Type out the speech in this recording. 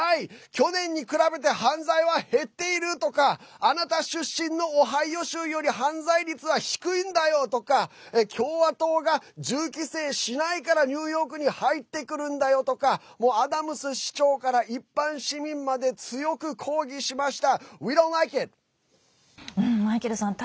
去年に比べて犯罪は減っているとかあなた出身のオハイオ州より犯罪率は低いんだよとか共和党が銃規制しないからニューヨークに入ってくるんだよとかもう、アダムズ市長から一般市民まで強く抗議しました。